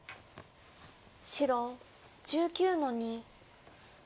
白１９の二。